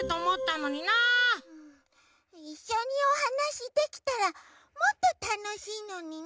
いっしょにおはなしできたらもっとたのしいのにね。